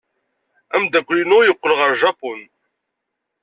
Ameddakel-inu yeqqel ɣer Japun.